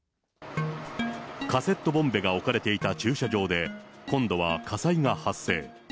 カセットボンベが置かれていた駐車場で、今度は火災が発生。